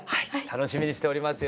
楽しみにしております。